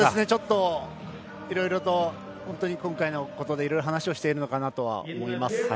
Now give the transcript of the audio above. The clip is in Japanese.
ちょっと今回のことでいろいろ話をしているのかなとは思います。